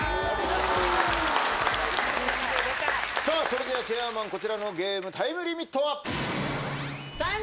それではチェアマンこちらのゲームタイムリミットは？